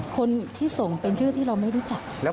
คนที่ส่งเป็นชื่อที่เราไม่รู้จัก